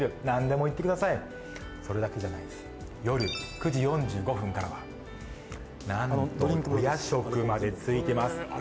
何でもいってくださいそれだけじゃないんです夜９時４５分からは何とお夜食までついてます